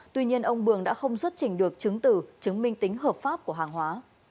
tuy nhiên ông bường đã không xuất trình được chứng tử chứng minh tính hợp pháp của hàng hóa